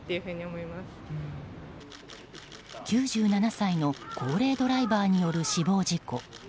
９７歳の高齢ドライバーによる死亡事故。